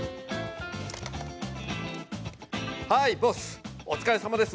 はい、ボスお疲れさまです